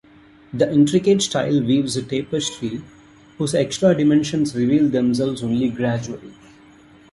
The intricate style weaves a tapestry whose extra dimensions reveal themselves only gradually.